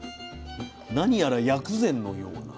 何やら薬膳のような。